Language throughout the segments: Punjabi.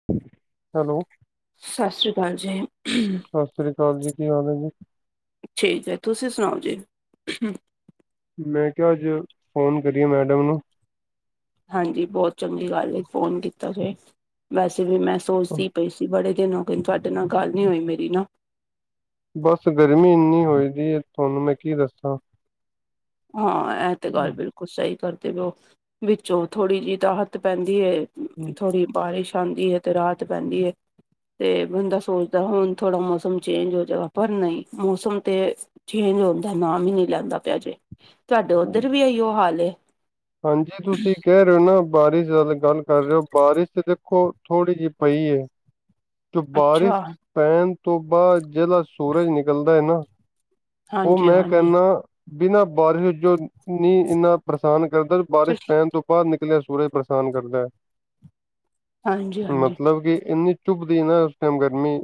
[inaudible] ਸਸ੍ਰੀ ਕਾਲ ਜੀ। ਸਸ਼੍ਰੀ ਕਾਲ ਜੀ, ਕੀ ਹਾਲ ਏ ਜੀ? ਠੀਕ ਹੈ, ਤੂਸੀ ਸੁਨਾਓ ਜੀ? ਮੈਂ ਕੇਆ ਆੱਜ ਫ਼ੋਨ ਕਰੀਏ ਮੈਡਮ ਨੂੰ। ਹਾਂਜੀ ਬੋਤ ਚੰਗੀ ਗਾਲ ਏ, ਫੋਨ ਕੀਤਾ ਜੇ। ਵੈਸੇ ਵੀ ਮੈਂ ਸੋਚਦੀ ਪਈ ਸੀ, ਬੜੇ ਦਿਨ ਹੋਗੇਨ ਤੂਆਡੇ ਨਾਲ ਗਾਲ ਨੀ ਹੋਈ ਮੇਰੀ ਨਾ। ਬਾਸ ਗਰਮੀ ਇੰਨੀ ਹੋਈ ਦੀ ਏ, ਤੂਆਨੂੰ ਮੈਂ ਕੀ ਦੱਸਾਂ ਹਾਂ ਐ ਤੇ ਗਾਲ ਬਿਲਕੁਲ ਸਈ ਕਰਦੇ ਪੇ ਓ, ਵਿਚੋਂ ਥੋੜੀ ਜੀ ਰਾਹਤ ਪੈਂਦੀ ਏ ਥੋੜੀ ਬਾਰਿਸ਼ ਆਂਦੀ ਏ ਤੇ ਰ੍ਹਾਤ ਪੈਂਦੀ ਏ ਤੇ ਬੰਦਾ ਸੋਚਦੈ ਹੁਨ ਥੋੜਾ ਮੌਸਮ ਚੇਂਜ ਹੋ ਜਾਵਾ, ਪਰ ਨਈ ਮੌਸਮ ਤੇ ਚੇਂਜ ਹੋਨ ਦਾ ਨਾ ਵੀ ਨੀ ਲੈਂਦਾ ਪੇਆ ਜੇ, ਤੂਆਡੇ ਓਧਰ ਵੀ ਅਈਓ ਹਾਲ ਏ? ਹਾਂਜੀ, ਤੂਸੀ ਕੈਹ ਰੇਓ ਨਾ, ਬਾਰਿਸ਼ ਜਦ ਗਾਲ ਕਾਰ ਰੇ ਓ, ਬਾਰਿਸ਼ ਦੇ ਤੇ ਥੋੜੀ ਜੀ ਪਈ ਏ, ਤੇ ਅੱਛਾ, ਬਾਰਿਸ਼ ਪੈਨ ਤੋ ਬਾਦ ਜੇੜਾ ਸੂਰਜ ਨਿਕਲਦਾ ਏ ਨਾ, ਓ ਮੈਂ ਹਾਂਜੀ-ਹਾਂਜੀ। ਕੈਹਨਾ ਬਿਨਾਂ ਬਾਰਿਸ਼ ਜੋ ਨੀ ਇੰਨਾ ਪਰੇਸ਼ਾਨ ਕਰਦਾ, ਜੋ ਬਾਰਿਸ਼ ਪੈਨ ਤੋ ਬਾਦ ਨਿਕਲੇਆ ਸੂਰਜ ਪ੍ਰੇਸ਼ਾਨ ਕਰਦੈ, ਹਾਂਜੀ ਹਾਂਜੀ ਮਤਲਬ ਕਿ ਇੰਨੀ ਚੁੱਬ ਦੀ ਨਾ ਉਸ ਟੈਮ ਗਰਮੀ,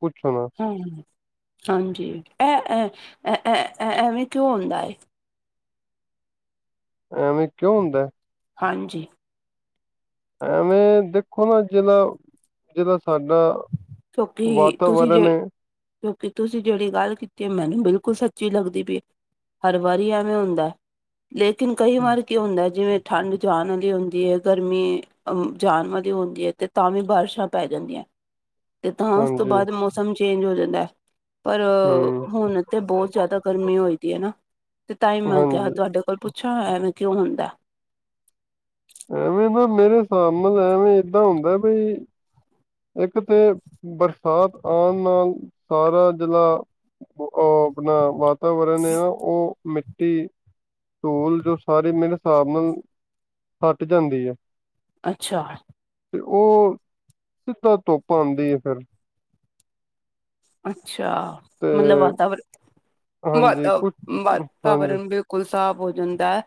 ਪੁੱਛੋ ਨਾ। ਹੂੰ, ਹਾਂਜੀ ਐ ਐ ਐ ਐ, ਐਵੇਂ ਕਿਉਂ ਹੁੰਦਾ ਏ? ਐਵੇਂ ਕਿਉਂ ਹੁੰਦਾ ਐ? ਹਾਂਜੀ। ਐਵੇਂ ਦੇਖੋ ਨਾ ਜਿਦਾ, ਜਿਦਾ ਸਾਡਾ ਕਿਉਂਕਿ ਤੁਸੀਂ ਵਾਤਾਵਰਨ ਜੇ ਏ ਕਿਉਂਕਿ ਤੁਸੀ ਜੇੜੀ ਗੱਲ ਕੀਤੀ ਏ, ਮੈਨੂੰ ਬਿਲਕੁਲ ਸੱਚੀ ਲਗਦੀ ਪੀਏ ਹਰ ਵਾਰੀ ਐਵੇਂ ਹੁੰਦਾ ਐ, ਲੇਕਿਨ ਕਈਂ ਵਾਰ ਕੀ ਹੁੰਦਾ ਐ ਜਿਵੇਂ ਠੰਡ ਜਾਨ ਅਲੀ ਹੁੰਦੀ ਏ ਗਰਮੀ ਅ ਜਾਨ ਵਾਲੀ ਹੁੰਦੀ ਐ ਤੇ ਤਾਂ ਵੀ ਬਾਰਸ਼ਾਂ ਪੈ ਜਾਂਦੀਆਂ ਐ। ਤੇ ਤਾਂ ਉਸ ਤੋਂ ਹਾਂਜੀ ਬਾਦ ਮੌਸਮ ਚੇਂਜ ਹੋ ਜਾਂਦਾ ਐ। ਪਰ ਹੂੰ ਹੁਨ ਤੇ ਬੋਤ ਜਾਦਾ ਗਰਮੀ ਹੋਈ ਪੀ ਏ ਨਾ। ਤੇ ਤਾਂਈ ਮੈਂ ਕੇਆ ਹਾਂਜੀ ਤੁਆਡੇ ਕੋਲ ਪੁੱਛਾਂ, ਐਂਵੇ ਕਿਉਂ ਹੁੰਦਾ ਐ। ਐਵੇਂ ਨਾ ਮੇਰੇ ਹਿਸਾਬ ਨਾਲ ਐਵੇਂ ਇਦਾਂ ਹੁੰਦਾ ਬਈ ਇਕ ਤੇ ਬਰਸਾਤ ਆਨ ਨਾਲ ਸਾਰਾ ਜਿਲਾ ਓ ਅਪਨਾ ਵਾ ਵਾਤਾਵਰਨ ਏ ਨਾ ਓ ਮਿੱਟੀ, ਧੂਲ ਜੋ ਸਾਰੀ ਮੇਰੇ ਹਿਸਾਬ ਨਾਲ ਹੱਟ ਜਾਂਦੀ ਏ। ਅੱਛਾ। ਤੇ ਓ, ਸਿੱਧਾ ਧੁੱਪ ਆਂਦੀ ਏ ਫੇਰ। ਅੱਛਾ, ਤੇ ਮਤਲਬ ਵਾਤਾਵਰਨ, ਹਾਂਜੀ ਵਾਤਾ, ਕੁਛ ਹਾਂਜੀ ਵਾਤਾਵਰਨ ਬਿਲ ਕੋਈ ਸਾਫ਼ ਹੋ ਜਾਂਦਾ ਐ,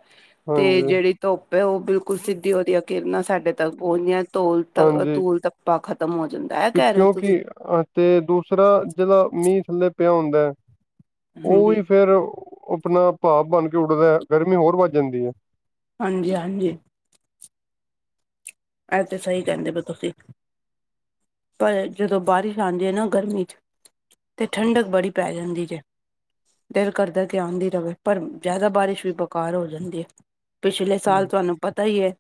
ਤੇ ਹਾਂਜੀ ਜੇੜੀ ਧੁੱਪ ਏ ਓ ਬਿਲਕੁਲ ਸਿੱਧੀ ਵਦੀਆ ਕਿਰਨਾਂ ਸਾਡੇ ਤਕ ਪੋਂਚਦੀਆਂ ਨ ਧੂਲ ਤ, ਹਾਂਜੀ ਧੂਲ ਤੱਪਾ ਖਤਮ ਹੋ ਜਾਂਦਾ ਐ। ਕਿਉਂਕਿ ਆ ਤੇ ਦੂਸਰਾ ਜੇੜਾ ਮੀਹ ਥੱਲੇ ਪੇਆ ਹੁੰਦਾ ਐ। ਉਹੀ ਹਾਂਜੀ, ਫੇਰ ਉ, ਆਪਣਾ ਭਾਵ ਬਣ ਕੇ ਉੱਡਦਾ ਗਰਮੀ ਹੋਰ ਵੱਧ ਜਾਂਦੀ ਏ। ਹਾਂਜੀ ਹਾਂਜੀ ਇਹ ਤੇ ਸਹੀ ਕਹਿੰਦੇ ਸਹੀ ਪਿਓ ਤੁਸੀਂ, ਪਰ ਜਦੋਂ ਬਾਰਿਸ਼ ਆਉਂਦੀ ਹੈ ਨਾ ਗਰਮੀ ਚ ਅਤੇ ਠੰਡਕ ਬੜੀ ਪੈ ਜਾਂਦੀ ਜੀਏ। ਦਿਲ ਕਰਦਾ ਕਿ ਆਉਂਦੀ ਰਵੇ ਪਰ ਜ਼ਿਆਦਾ ਬਾਰਿਸ਼ ਵੀ ਬੇਕਾਰ ਹੋ ਜਾਂਦੀ ਏ। ਪਿਛਲੇ ਸਾਲ ਹੂੰ, ਤੁਹਾਨੂੰ ਪਤਾ ਈ ਏ।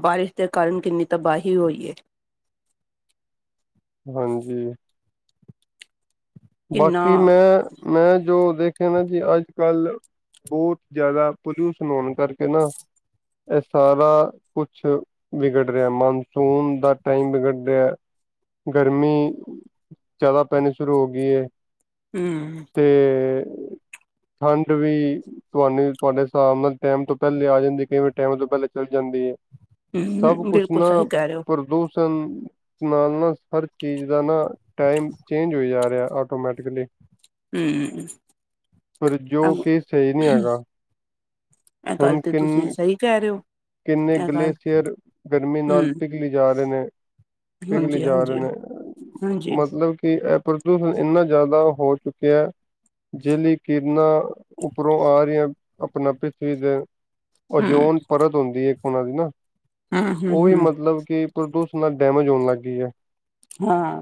ਬਾਰਿਸ਼ ਦੇ ਕਾਰਨ ਕਿੰਨੀ ਤਬਾਹੀ ਹੋਈ ਏ, ਹਾਂਜੀ ਕਿੰਨਾ ਬਾਕੀ ਮੈਂ -ਮੈਂ ਜੋ ਦੇਖਿਆ ਨਾ ਜੀ ਅੱਜ ਕੱਲ ਬਹੁਤ ਜ਼ਿਆਦਾ ਪਲਿਊਸ਼ਨ ਹੋਣ ਕਰਕੇ ਨਾ, ਇਹ ਸਾਰਾ ਕੁਛ ਵਿਗੜ ਰਿਹਾ ਮਾਨਸੂਨ ਸੋਹਣ ਦਾ ਟਾਈਮ ਵਿਗੜ ਰਿਹਾ। ਗਰਮੀ ਜਿਆਦਾ ਪਹਿਨੀ ਸ਼ੁਰੂ ਹੋ ਗਈ ਏ। ਹੂੰ ਤੇ, ਠੰਡ ਵੀ ਤੁਆਨੂੰ ਤੁਹਾਡੇ ਹਿਸਾਬ ਨਾਲ ਟੈਮ ਤੋਂ ਪਹਿਲੇ ਆ ਜਾਂਦੀ ਕਈ ਵਾਰੀ ਟੈਮ ਤੋਂ ਪਹਿਲੇ ਚੱਲ ਜਾਂਦੀ ਐ। ਸਭ ਹੂੰ, ਕੁਛ ਬਿਲਕੁਲ ਨਾ ਸਹੀ ਕਹਿ ਰਹੇ ਹੋ ਪ੍ਰਦੋਸ਼ ਸ਼ਨ ਨਾਲ ਨਾ ਹਰ ਚੀਜ਼ ਦਾ ਨਾ ਟਾਈਮ ਚੇਂਜ ਹੋ ਜਾ ਰਿਹ ਆਟੋਮੈਂਟਿਕਲੀ। ਹੂੰ, ਪਰ ਜੋ ਕਿ ਸਹੀ ਨਹੀਂ ਹੈਗਾ। ਏ ਗੱਲ ਹੁਣ ਤੇ ਤੁਸੀਂ ਕਿੰਨ ਸਹੀ ਕਹਿ ਰਹੇ ਹੋ। ਕਿੰਨੇ ਇਹ ਗੱਲ ਗਲੇਸ਼ਅਰ ਗਰਮੀ ਨਾਲ ਹੂੰ, ਪਿਘਲੀ ਜਾ ਰਹੇ ਨੇ। ਪੀਗਲੀ ਜਾ ਰਹੇ ਹਾਂਜੀ-ਹਾਂਜੀ, ਨੇ, ਹਾਂਜੀ ਹਾਂਜੀ, ਮਤਲਬ ਕਿ ਇਹ ਪ੍ਰਦੂਸ਼ਣ ਇੰਨਾ ਜ਼ਿਆਦਾ ਹੋ ਚੁੱਕਿਆ ਹੈ, ਜਿ ਲਈ ਕਿਰਨਾਂ ਉੱਪਰੋਂ ਆ ਰਹੀਆਂ, ਆਪਣਾ ਪਿਥਵੀ ਦੇ ਹੂੰ, ਓਜੋਨ ਪਰਤ ਹੁੰਦੀ ਹੈ ਇੱਕ ਉਹਨਾਂ ਦੀ ਨਾ, ਹੂੰ, ਹੂੰ, ਉਹ ਵੀ ਹੂੰ, ਮਤਲਬ ਕਿ ਪ੍ਰਦੂਸ਼ਣ ਨਾਲ ਡੈਮੇਜ ਹੋਣ ਲੱਗ ਗਈ ਹੈ ਹਾਂ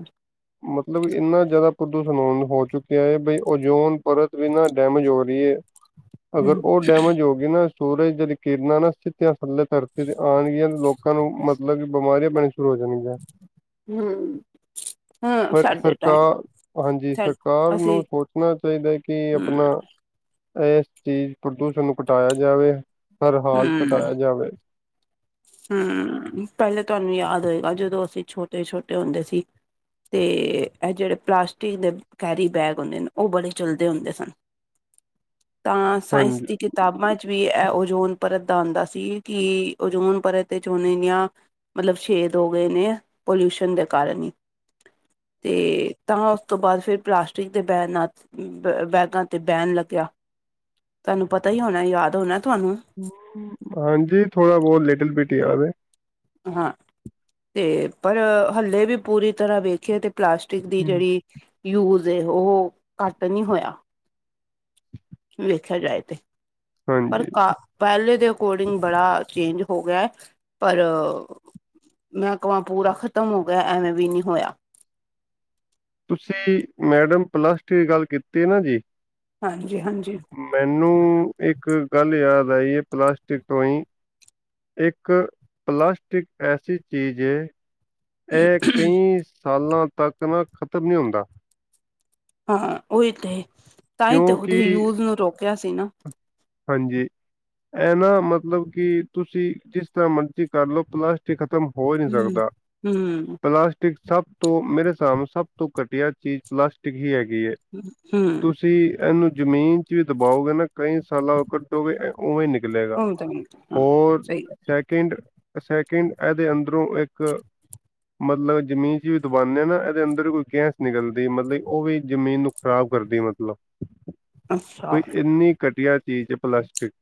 ਮਤਲਬ ਇੰਨਾ ਜ਼ਿਆਦਾ ਪ੍ਰਦੂਸ਼ਣ ਹੋ ਚੁੱਕਿਆ ਹੈ, ਬਈ ਓਜੋਨ ਪਰਤ ਵੀ ਨਾ ਡੈਮੇਜ ਹੋ ਰਹੀ ਹੈ ਅਗਰ ਹੂੰ, ਉਹ ਡੈਮੇਜ ਹੋ ਗਈ ਨਾ, ਸੂਰਜ ਦੀਆਂ ਕਿਰਨਾਂ ਨਾ ਸਿਤ ਥੱਲੇ ਧਰਤੀ ਤੇ ਆਉਣਗੀਆਂ, ਲੋਕਾਂ ਨੂੰ ਮਤਲਬ ਕਿ ਬਿਮਾਰੀਆਂ ਪੈਣੀਆਂ ਸ਼ੁਰੂ ਹੋ ਜਾਣਗੀਆਂ ਹਮ, ਹਮ ਪਰ ਸਾਡੇ ਟਾਈਮ ਸਰਕਾਰ ਹਾਂਜੀ, ਸਾ ਸਰਕਾਰ ਨੂੰ ਅਸੀਂ ਸੋਚਣਾ ਚਾਹੀਦਾ ਕਿ ਹੂੰ, ਆਪਣਾ ਇਸ ਚੀਜ਼ ਪ੍ਰਦੂਸ਼ਣ ਨੂੰ ਘਟਾਇਆ ਜਾਵੇ, ਹਰ ਹਾਲ 'ਚ ਕਟਾਇਆ ਜਾਵੇ ਹਮ, ਪਹਿਲੇ ਤੁਹਾਨੂੰ ਯਾਦ ਹੋਏਗਾ ਜਦੋਂ ਅਸੀਂ ਛੋਟੇ- ਛੋਟੇ ਹੁੰਦੇ ਸੀ ਤੇ ਇਹ ਜਿਹੜੇ ਪਲਾਸਟਿਕ ਦੇ ਕੈਰੀ ਬੈਗ ਹੁੰਦੇ ਨੇ, ਉਹ ਬੜੇ ਚੱਲਦੇ ਹੁੰਦੇ ਸਨ, ਤਾਂ ਸਾਇੰਸ ਹਾਂਜੀ ਦੀ ਕਿਤਾਬਾਂ 'ਚ ਵੀ ਇਹ ਓਜੋਨ ਪਰਤ ਦਾ ਆਉਂਦਾ ਸੀ, ਕਿ ਓਜੋਨ ਪਰ ਤੇ ਝੋਨੇਆਂ, ਮਤਲਬ ਛੇਦ ਹੋ ਗਏ ਨੇ, ਪੋਲਿਊਸ਼ਨ ਦੇ ਕਾਰਨ ਹੀ ਤੇ, ਤਾਂ ਉਸ ਤੋਂ ਬਾਅਦ ਫਿਰ ਪਲਾਸਟਿਕ ਦੇ ਬੈਨ ਨਾਲ ਬ ਬੈਗਾਂ ਤੇ ਬਹਿਣ ਲੱਗਿਆ, ਤੁਹਾਨੂੰ ਪਤਾ ਹੀ ਹੋਣਾ ਯਾਦ ਹੋਣਾ ਤੁਹਾਨੂੰ ਹਾਂਜੀ, ਥੋੜਾ ਬਹੁਤ ਲਿਟਲ ਬਿਟੀ ਯਾਦ ਆ ਹਾਂ, ਤੇ ਪਰ ਹੱਲੇ ਵੀ ਪੂਰੀ ਤਰ੍ਹਾਂ ਵੇਖੀਏ ਤੇ ਪਲਾਸਟਿਕ ਦੀ ਹਮ, ਜਿਹੜੀ ਯੂਜ਼ ਉਹ, ਘੱਟ ਨਹੀਂ ਹੋਇਆ ਵੇਖਿਆ ਜਾਏ ਤੇ, ਪਰ ਹਾਂਜੀ ਕ ਪਹਿਲੇ ਦੇ ਅਕੋਰਡਿੰਗ ਬੜਾ ਚੇਂਜ ਹੋ ਗਿਆ ਹੈ, ਪਰ ਮੈਂਕਵਾਂ ਪੂਰਾ ਖ਼ਤਮ ਹੋ ਗਿਆ, ਐਵੇਂ ਵੀ ਨਹੀਂ ਹੋਇਆ ਤੁਸੀਂ, ਮੈਡਮ ਪਲੱਸ ਟੂ ਦੀ ਗੱਲ ਕੀਤੀ ਹੈ ਨਾ ਜੀ ਹਾਂਜੀ- ਹਾਂਜੀ ਮੈਨੂੰ ਇੱਕ ਗੱਲ ਯਾਦ ਆਈ ਹੈ, ਪਲਾਸਟਿਕ ਤੋਂ ਹੀ ਇੱਕ, ਪਲਾਸਟਿਕ ਐਸੀ ਚੀਜ਼ ਹੈ ਇਹ ਕਈ ਸਾਲਾਂ ਤੱਕ ਨਾ, ਖ਼ਤਮ ਨਹੀਂ ਹੁੰਦਾ ਹਾਂ ਉਹੀ ਤੇ ਤਾਂ ਹੀ ਤੇ ਉਹਦੇ ਕਿਉਂਕਿ ਯੂਜ ਨੂੰ ਰੋਕਿਆ ਸੀ ਨਾ ਹਾਂਜੀ ਇਹ ਨਾ ਮਤਲਬ ਕਿ ਤੁਸੀਂ ਜਿਸ ਤਰ੍ਹਾਂ ਮਰਜ਼ੀ ਕਰ ਲਓ ਪਲਾਸਟ ਪਲਾਸਟਿਕ ਖਤਮ ਹੋ ਨਹੀਂ ਹੂੰ। ਸਕਦਾ ਹੂੰ ਪਲਾਸ ਪਲਾਸਟਿਕ ਸਭ ਤੋਂ, ਮੇਰੇ ਹਿਸਾਬ ਸਭ ਤੋਂ ਘਟੀਆ ਚੀਜ਼ ਪਲਾਸਟਿਕ ਹੀ ਹੈਗੀ ਹਮ। ਤੁਸੀਂ ਇਹਨੂੰ ਜ਼ਮੀਨ 'ਚ ਵੀ ਦਬਾਓਗੇ ਨਾ ਕਈ ਸਾਲਾਂਰ ਉਵੇਂ ਨਿਕਲੇਗਾ ਹੁਣ ਤਾਂ ਹਾਂ ਹੋਰ ਸਹੀ ਚੈੱਕ ਕਿੰਡ ਸੈਕਿੰਡ ਇਹਦੇ ਅੰਦਰੋਂ ਇੱਕ ਮਤਲਬ ਜਮੀਨ 'ਚ ਵੀ ਦਬਾਨਉਦੇ ਹਾਂ ਨਾ, ਇਹਦੇ ਅੰਦਰ ਕੋਈ ਗਹਿਸ ਨਿਕਲਦੀ ਮਤਲਬ ਉਹ ਵੀ ਜ਼ਮੀਨ ਨੂੰ ਖ਼ਰਾਬ ਕਰਦੀ ਮਤਲਬ ਗੱਲ। ਅੱਛਾ ਕੋਈ ਇੰਨੀ ਘਟੀਆ ਚੀਜ਼ ਹੈ ਪਲਾਸਟਿਕ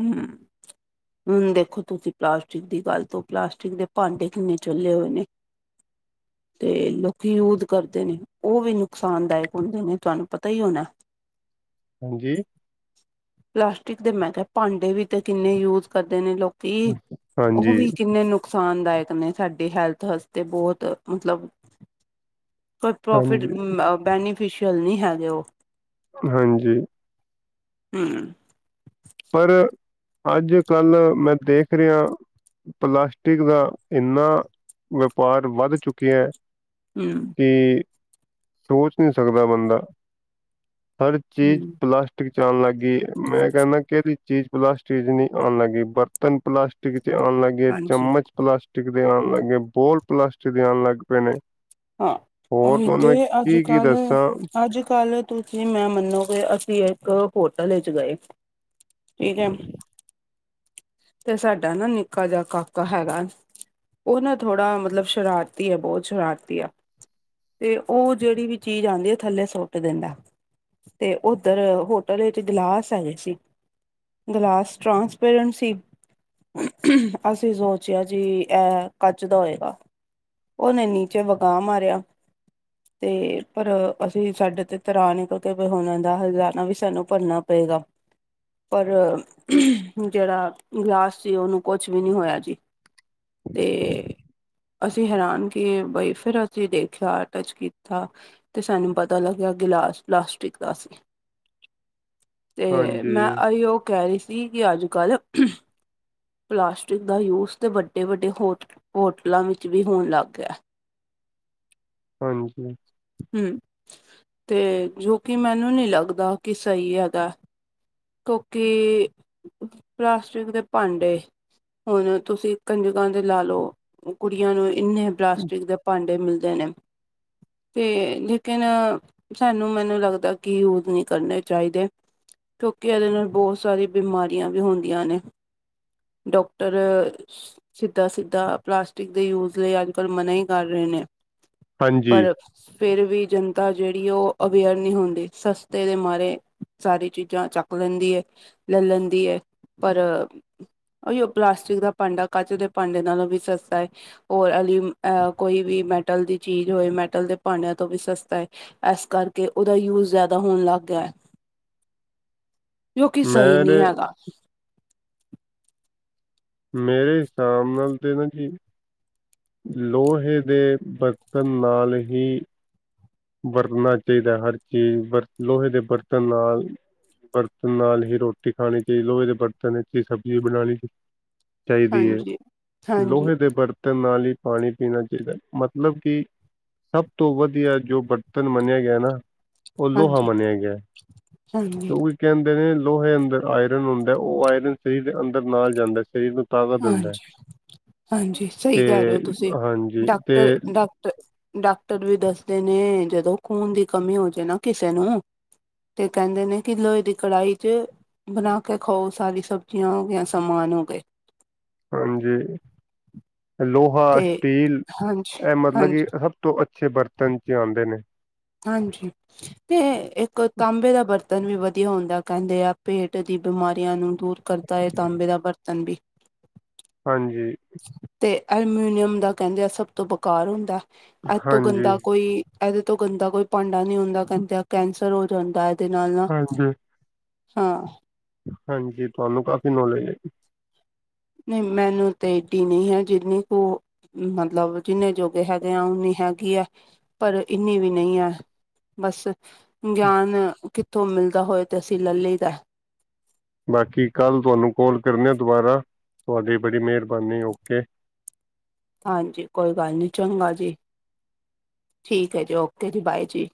ਹਮ। ਹੁਣ ਦੇਖੋ ਤੁਸੀਂ ਪਲਾਸਟਿਕ ਦੀ ਗੱਲ ਤੋਂ, ਪਲਾਸਟਿਕ ਦੇ ਭਾਂਡੇ ਕਿੰਨੇ ਚੁੱਲੇ ਹੋਏ ਨੇ [unintelligible] ਤੇ ਲੋਕੀ ਯੂਦ ਕਰਦੇ ਨੇ ਉਹ ਵੀ ਨੁਕਸਾਨਦਾਇਕ ਹੁੰਦੇ ਨੇ, ਤੁਹਾਨੂੰ ਪਤਾ ਹੀ ਹੋਣਾ [unintelligible] ਹਾਂਜੀ। ਪਲਾਸਟਿਕ ਦੇ ਮੈਂ ਭਾਂਡੇ ਵੀ ਤੇ ਕਿੰਨੇ ਯੂਜ ਕਰਦੇ ਨੇ ਲੋਕ। ਤੇ ਉਹ ਹਾਂਜੀ ਵੀ ਕਿੰਨੇ ਨੁਕ। ਨੁਕਸਾਨਦਾਇਕ ਨੇ ਸਾਡੇ ਹੈਲਥ ਵਾਸਤੇ ਬਹੁਤ ਮਤਲਬ। ਕੋਈ ਪ੍ਰੋਫਿਟ ਹਾਂਜੀ ਬੈਨੀਫਿਸ਼ੀਅਲ ਨਹੀਂ ਹੈਗੇ ਉਹ। ਹਾਂਜੀ। ਹਮ। ਪਰ ਅੱਜ, ਕੱਲ੍ਹ ਮੈਂ ਦੇਖ ਰਿਹਾਂ। ਪਲਾਸਟਿਕ ਦਾ--ਇਨਾ ਵਪਾਰ ਵੱਧ ਚੁੱਕਿਆ। ਹਮ। ਕਿ ਸੋਚ ਨਹੀਂ ਸਕਦਾ ਬੰਦਾ ਹਰ ਚੀਜ਼ ਹਮ ਪਲਾਸਿਕ। ਚ ਆਉਣ ਲੱਗ ਗਈ ਮੈਂ ਕਹਿੰਦਾ ਕਿਹੜਦੀ ਚੀਜ਼ ਪਲਾਸਟਿਕ ਚ ਨਹੀਂ ਆਉਣ ਲੱਗਗੀਈ ਬਰਤਨ ਪਲਾਸਟਿਕ ਚ ਆਉਣ ਲੱਗ ਗ। ਗੇ ਹਾਂਜੀ ਚਮਚ ਪਲਾਸਟਿਕ ਦੇ ਆਉਣ ਲੱਗੇਏ ਬੋਲ ਪਲਾਸਟਿਕ ਦੇ ਆਉਣ ਲੱਗ ਪਏ ਨੇ। ਹਾਂ ਹੋਰ ਉਹੀ ਤੁਹਾਨੂੰ ਤੇ ਮੈਂ ਅੱਜ, ਕੀ ਕੀ ਕੱਲ ਦੱਸਾਂ -ਅੱਜ, ਕੱਲ। ਤੁਸੀਂ ਮੈਂ ਮੰਨੋ ਕਿ ਅਸੀਂ ਇੱਕ ਹੋਟਲ ਵਿੱਚ ਗਏ ਠੀਕ ਹੈ। ਤੇ ਸਾਡਾ ਨਾ ਨਿੱਕਾ ਜਿਹਾ ਕਾਕਾ ਹੈਗਾ। ਉਹ ਨਾ ਥੋੜਾ ਮਤਲਬ ਸ਼ਰਾਰਤੀ ਆ ਬਹੁਤ ਸ਼ਰਾਰਤੀ ਆ। ਤੇ ਉਹ ਜਿਹੜੀ ਵੀ ਚੀਜ਼ ਆਉਂਦੀ ਹੈ ਥੱਲੇ ਸੁੱਟ ਦਿੰਦਾ। ਤੇ ਉੱਧਰ ਹੋਟਲ ਵਿੱਚ ਗਲਾਸ ਹੈਗੇ ਸੀ। Glass transparency. ਅਸੀਂ ਸੋਚਿਆ ਜੀ ਇਹ ਕੱਚ ਦਾ ਹੋਏਗਾ। ਉਹਨੇ ਨੀਚੇ ਵਗਾਹ ਮਾਰਿਆ। [unintelligible] ਤੇ ਪਰ ਅਸੀਂ ਸਾਡੇ ਤੇ ਤਰਾ੍ਹਾਂ ਨ ਕਿਉਂਕ ਉਹਨਾਂ ਦਾ ਹਜ਼ਾਨਾ ਵੀ ਸਾਨੂੰ ਭਰਨਾ ਪਏਗਾ। ਪਰ ਜਿਹੜਾ। ਗਿਲਾਸ ਚ ਉਹਨੂੰ ਕੁਛ ਵੀ ਨੀ ਹੋਇਆ ਜੀ ਤੇ। ਅਸੀਂ ਹੈਰਾਨ ਕੇ ਬਈ ਫਿਰ ਅਸੀਂ ਦੇਖਿਆ ਟੱਚ ਕੀਤਾ। ਅਤੇ ਸਾਨੂੰ ਪਤਾ ਲੱਗਿਆ ਗਿਲਾਸ ਲਾਸਟਿਕ ਦਾ ਅ ਸੀਂ। [unintelligible] ਤੇ ਮੈਂ ਹਾਂਜੀ ਅ ਉਹ ਕਹਿ ਰਹੀ ਸੀ ਕਿ ਅੱਜ, ਕੱਲ੍ਹ। [unintelligible] ਪਲਾਸਟਿਕ ਦਾ ਯੂਜ ਤੇ ਵੱਡੇ ਵੱਡੇ ਹੋ ਹੋਟਲਾਂ ਵਿੱਚ ਵੀ ਹੋਣ ਲੱਗ ਗਿਆ। ਹਾਂਜੀ। ਹਮ ਤੇ ਜੋ ਕਿ ਮੈਨੂੰ ਨੀ ਲੱਗਦਾ ਕਿ ਸਹੀ ਹੈਗਾ। ਕੋਕੀ। ਪਲਾਸਟਿਕ ਦੇ ਭਾਂਡੇ ਹੁਣ ਤੁਸੀ ਕੰਜਕਾਂ ਦੇ ਲਾ ਲਓ। ਕੁੜੀਆਂ ਨੂੰ ਇੰਨੇ ਪਲਾਸਟਿਕ ਦੇ ਭਾਂਡੇ ਮਿਲਦੇ ਨੇ। ਤੇ ਲੇਕਿਨ ਸਾਨੂੰ ਮੈਨੂੰ ਲੱਗਦਾ ਕਿ ਯੂਜ ਨੀ ਕਰਨੇ ਚਾਹੀਦੇ। ਕਿਉਂਕਿ ਏਹਦੇ ਨਾਲ ਬੋਤ ਸਾਰੀ ਬਿਮਾਰੀਆਂ ਵੀ ਹੁੰਦੀਆਂ ਨੇ। ਡੋਕਟਰ। ਸਿੱਧਾ ਸਿੱਧਾ ਪਲਾਸਟਿਕ ਦੇ ਯੂਜ ਲਈ ਅੱਜ ਕੱਲ ਮਨਾ ਈ ਕਰ ਰਹੇ ਨੇ। ਹਾਂਜੀ ਪਰ। ਫੇਰ ਵੀ ਜਨਤਾ ਜੇੜੀ ਓ ਅਵੇਅਰ ਨੀ ਹੁੰਦੀ ਸਸਤੇ ਦੇ ਮਾਰੇ। ਸਾਰੀ ਚੀਜ਼ਾਂ ਚੱਕ ਲੈਂਦੀ ਏ ਲੈ ਲੈਂਦੀ ਏ ਪਰ। ਉਹੀ ਓ ਪਲਾਸਟਿਕ ਦਾ ਭਾਂਡਾ ਕੱਚ ਦੇ ਭਾਂਡੇ ਨਾਲੋਂ ਵੀ ਸਸਤਾ ਏ। ਔਰ ਐਲੀ ਕੋਈ ਵੀ ਮੈਟਲ ਦੀ ਚੀਜ਼ ਹੋਏ ਮੈਟਲ ਦੇ ਭਾਡੇਆਂ ਤੋਂ ਵੀ ਸਸਤਾ ਏ। ਐਸ ਕਰਕੇ ਓਦਾ ਯੂਜ ਜ਼ਆਦਾ ਹੋਣ ਲੱਗ ਗਿਆ ਐ। ਜੋ ਕਿ ਸਹੀ ਮੇਰੇ ਨੀ ਹੈਗਾ। ਮੇਰੇ ਹਿਸਾਬ ਨਾਲ ਤੇ ਨਾ ਜੀ ਲੋਹੇ ਦੇ ਬਰਤਨ ਨਾਲ ਹੀ ਵਰਨਾ ਚਾਈਦਾ। ਹਰ ਚੀਜ਼ ਵਰਤ ਲੋਹੇ ਦੇ ਬਰਤਣ ਨਾਲ ਬਰਤਨ ਨਾਲ ਹੀ ਰੋਟੀ ਖਾਣੀ ਚਾਹੀ ਲੋਹੇ ਦੇ ਬਰਤਨ ਵਿੱਚ ਹੀ ਸਬਜ਼ੀ ਬਣਾਣੀ ਚਾਈਦੀ ਏ। ਹਾਂਜੀ ਹਾਂਜੀ ਲੋਹੇ ਦੇ ਬਰਤ ਤਨ ਨਾਲ ਈ ਪਾਣੀ ਪੀਣਾ ਚਾਹੀਦਾ। ਮਤਲਬ ਕਿ ਸਭ ਤੋਂ ਵਧੀਆ ਜੋ ਬਰਤਨ ਮੰਨਿਆ ਗਿਆ ਐ ਨਾ। ਓ ਲੋਹਾ ਹਾਂਜੀ ਮੰਨਿਆ ਗਿਆ ਐ। ਹਾਂਜੀ ਤੇ ਓਈ ਕਹਿੰਦੇ ਨੇ ਲੋਹੇ ਅੰਦਰ ਆਇਰਨ ਹੁੰਦਾ ਐ। ਓ ਆਇਰਨ ਸਰੀਰ ਦੇ ਅੰਦਰ ਨਾਲ ਜਾਂਦਾ ਐ। ਸਰੀਰ ਨੂੰ ਤਾਕਤ ਦਿੰਦਾ ਹੈ ਹਾਂਜੀ, ਹਾਂਜੀ ਸਹੀ ਤੇ ਕਹਿ ਰਹੇ ਹੋ ਤੁਸੀ। ਹਾਂਜੀ ਤੇ ਡਾਕਟਰ ਡਾ ਤੇ ਡਾਕਟਰ ਵੀ ਦੱਸਦੇ ਨੇ ਜਦੋਂ ਖੂਨ ਦੀ ਕਮੀ ਹੋ ਜੇ ਨਾ ਕਿਸੇ ਨੂੰ। ਤੇ ਕਹਿੰਦੇ ਨੇ ਕਿ ਲੋਹੇ ਦੀ ਕੜਾਈ ਚ ਬਣਾ ਕੇ ਖਾਓ ਸਾਰੀ ਸਬਜ਼ੀਆਂ ਹੋ ਗੀਆਂ ਸਮਾਨ ਹੋ ਗਏ। ਹਾਂਜੀ। ਆ ਤੇ ਸਟੀਲ ਹਾਂਜੀ ਐਹ ਮਤਲਬ ਹਾਂਜੀ ਕਿ ਸਭ ਤੋਂ ਅੱਛੇ ਬਰਤਨ ਚ ਆਂਦੇ ਨੇ। ਹਾਂਜੀ। ਤੇ ਏਕ ਤਾਂਬੇ ਦਾ ਬਰਤ ਤਨ ਵੀ ਵਧੀਆ ਹੁੰਦਾ ਐ। ਕਹਿੰਦੇ ਆ ਪੇਟ ਦੀ ਬਿਮਾਰੀਆਂ ਨੂੰ ਦੂਰ ਕਰਦਾ ਐ ਤਾਂਬੇ ਦਾ ਬਰਤਨ ਵੀ। ਹਾਂਜੀ। ਤੇ ਅਲਮੀਨੀਅਮ ਦਾ ਕਹਿੰਦੇ ਆ ਸਭ ਤੋਂ ਬੇਕਾਰ ਹੁੰਦਾ ਏਹਤੋਂ ਹਾਂਜੀ ਗੰਦਾ ਕੋਈ ਐਦੇ ਤੋਂ ਗੰਦਾ ਕੋਈ ਭਾਂਡਾ ਨੀ ਹੁੰਦਾ। ਕਹਿੰਦੇ ਕੈਂਸਰ ਹੋ ਜਾਂਦਾ ਐਦੇ ਨਾਲ ਨਾ। ਹਾਂਜੀ ਹਾਂ। ਹਾਂਜੀ। ਤੁਹਾਨੂੰ ਕਾਫ਼ੀ ਨੌਲੇਜ ਏ। ਨਈ ਮੈਨੂੰ ਤੇ ਏਡੀ ਨੀ ਹੈ ਜਿੰਨੀ ਕੁ ਮਤਲਬ ਜਿੰਨੇ ਜੋਗੇ ਹੈਗੇ ਆ ਓਨੀ ਹੈਗੀ ਐ। ਪਰ ਇੰਨੀ ਵੀ ਨਈ ਐ। ਬਸ ਗਿਆਨ ਕਿੱਥੋਂ ਮਿਲਦਾ ਹੋਏ ਤੇ ਅਸੀ ਲਲੀ ਦਾ। ਬਾਕੀ ਕੱਲ ਤੁਹਾਨੂੰ ਕੋਲ ਕਰਨੇ ਆਂ ਦੁਬਾਰਾ। ਤੁਹਾਡੀ ਬੜੀ ਮੈਹਰਬਾਨੀ ਓਕੇ। ਹਾਂਜੀ ਕੋਈ ਗੱਲ ਨੀ, ਚੰਗਾ ਜੀ। ਠੀਕ ਐ ਜੀ। ਓਕੇ ਜੀ ਬਾਏ ਜੀ।